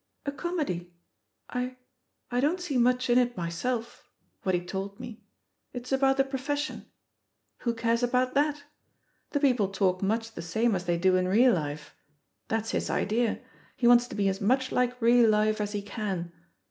'A comedy. I — ^I don't see much in it myself — ^what he told me. It's about the profession. Who cares about that? The people talk much the same as they do in real life; that's his idea, he wants to be as much like real life as he can.